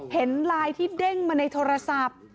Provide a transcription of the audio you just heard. เห็นไลน์ที่เด้งมาในโทรศัพท์